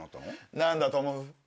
何だと思う？